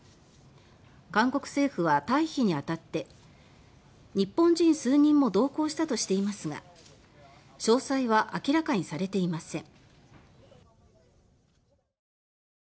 韓国政府は、退避にあたって「日本人数人も同行した」としていますが詳細は明らかにされていません。